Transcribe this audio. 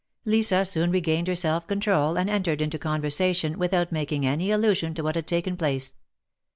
Lisa soon regained her self control, and entered into conversation, without making any allusion to what had taken place.